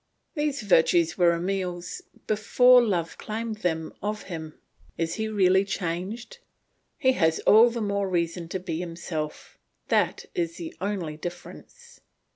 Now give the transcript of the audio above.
These virtues were Emile's before love claimed them of him. Is he really changed? He has all the more reason to be himself; that is the only difference.